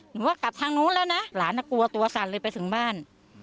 หนูว่ากลับทางนู้นแล้วนะหลานกลัวตัวสั่นเลยไปถึงบ้าน